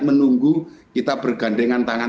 menunggu kita bergandengan tangan